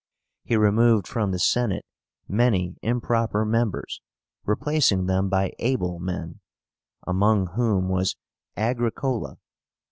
He removed from the Senate many improper members, replacing them by able men, among whom was AGRICOLA.